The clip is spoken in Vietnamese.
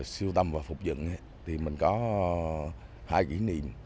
sưu tầm và phục dựng thì mình có hai kỷ niệm